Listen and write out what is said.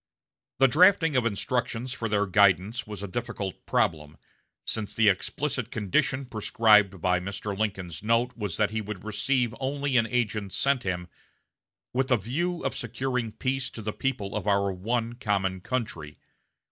The drafting of instructions for their guidance was a difficult problem, since the explicit condition prescribed by Mr. Lincoln's note was that he would receive only an agent sent him "with the view of securing peace to the people of our one common country."